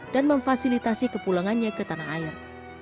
dan memfasilitasi kepulangannya ke tanah air